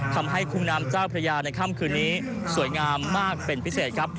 คุ้งน้ำเจ้าพระยาในค่ำคืนนี้สวยงามมากเป็นพิเศษครับ